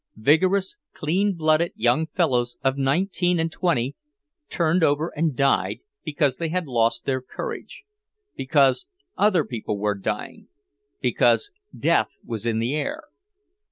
Vigorous, clean blooded young fellows of nineteen and twenty turned over and died because they had lost their courage, because other people were dying, because death was in the air.